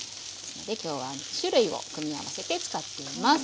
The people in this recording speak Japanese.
今日は２種類を組み合わせて使っています。